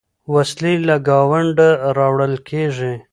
وسلې له ګاونډه راوړل کېږي.